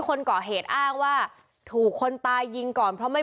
พวกมันต้องกินกันพี่